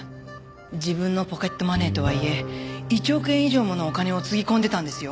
自分のポケットマネーとはいえ１億円以上ものお金をつぎ込んでたんですよ。